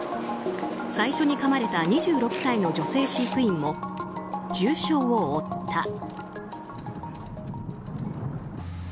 最初にかまれた２６歳の女性飼育員も重傷を負った。